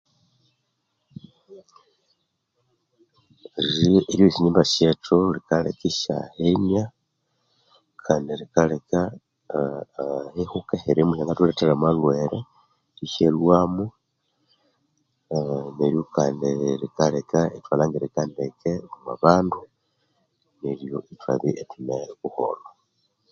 Eryerya esya ngyimba syethu likaleka isyahenia kandi likaleka aa ehihuka ehirimo ehyanga thulethera amalhwere ishalhwamo aa neryo kandi likaleka ithwalhangirika ndeke omwa abandu neryo ithwabya ithune buholho.